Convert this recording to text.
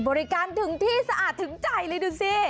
บริการถึงที่สะอาดถึงใจเลยดูสิ